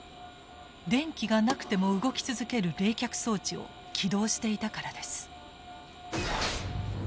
電気がなくても動き続ける冷却装置を起動していたからです。